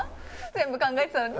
全部考えてたのに。